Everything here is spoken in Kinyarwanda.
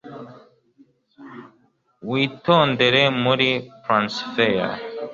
witondere muri planisphere